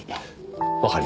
わかりました。